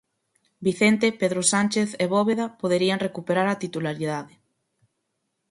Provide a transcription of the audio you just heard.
Vicente, Pedro Sánchez e Bóveda poderían recuperar a titularidade.